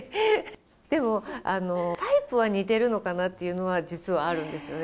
でも、タイプは似てるのかなっていうのは実はあるんですよね。